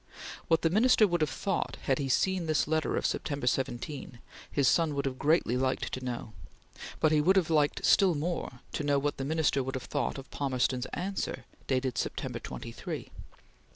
What the Minister would have thought had he seen this letter of September 17, his son would have greatly liked to know, but he would have liked still more to know what the Minister would have thought of Palmerston's answer, dated September 23: ...